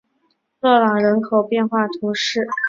勒朗人口变化图示